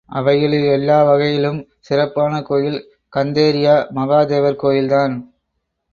அவைகளில் எல்லா வகையிலும் சிறப்பான கோயில் கந்தேரியா மகாதேவர் கோயில் தான்.